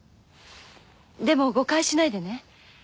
でも誤解しないでね。